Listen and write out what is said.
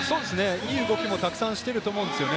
いい動きもたくさんしてると思うんですよね。